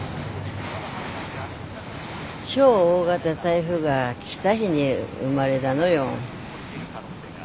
超大型台風が来た日に生まれだのよ。